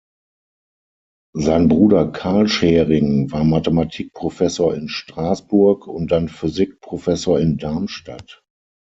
Sein Bruder Karl Schering war Mathematik-Professor in Straßburg und dann Physik-Professor in Darmstadt.